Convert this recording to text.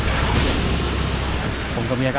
สวัสดีครับน้องเล่จากจังหวัดพิจิตรครับ